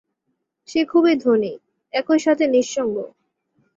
সে খুবই ধনী, একইসাথে নিঃসঙ্গ।